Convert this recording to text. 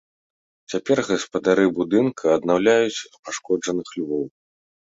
Цяпер гаспадары будынка аднаўляюць пашкоджаных львоў.